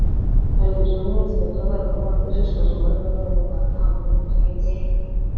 Hari ibirori n’iminsi mikuru ngarukamwaka iba ishishikaje umubare munini w’Abanyarwanda haba abo mu gihugu